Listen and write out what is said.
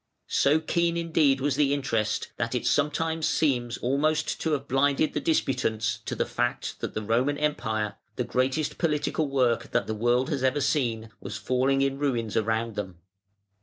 So keen indeed was the interest that it sometimes seems almost to have blinded the disputants to the fact that the Roman Empire, the greatest political work that the world has ever seen, was falling in ruins around them.